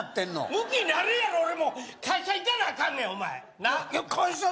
ムキになるやろ俺も会社行かなあかんねんお前いや